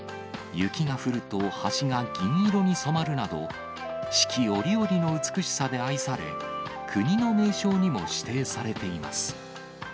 雪が降ると橋が銀色に染まるなど、四季折々の美しさで愛され、国の名勝にも指定されています。